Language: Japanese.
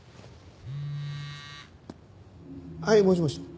はいもしもし？